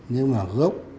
nhưng mà gốc